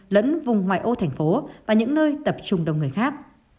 lẫn vùng ngoại ô thành phố và những nơi tập trung đông người khác